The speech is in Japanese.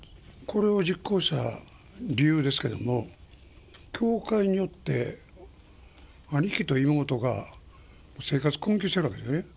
これを実行した理由ですけども、教会によって兄貴と妹が生活困窮してるわけですね。